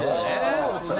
そうですね。